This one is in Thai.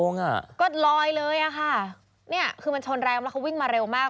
เนี่ยคือมันชนแรงว่าเขาวิ่งมาเร็วมาก